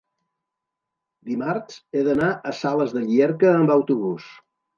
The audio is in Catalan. dimarts he d'anar a Sales de Llierca amb autobús.